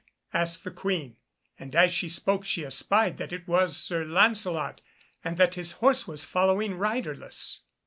asked the Queen, and as she spoke she espied that it was Sir Lancelot, and that his horse was following riderless.